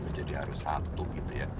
menjadi harus satu gitu ya